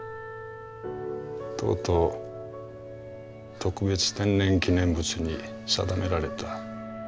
「とうとう特別天然記念物に定められた。